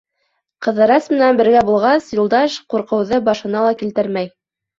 Ҡыҙырас менән бергә булғас, Юлдаш ҡурҡыуҙы башына ла килтермәй.